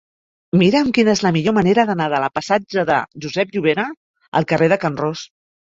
Mira'm quina és la millor manera d'anar de la passatge de Josep Llovera al carrer de Can Ros.